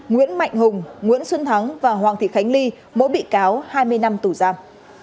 nguyễn mạnh hùng nguyễn xuân thắng và hoàng thị khánh ly mỗi bị cáo hai mươi năm tù giam